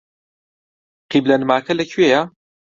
قیبلەنماکە لەکوێیە؟